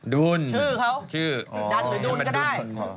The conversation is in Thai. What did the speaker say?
ดันหรือดุนก็ได้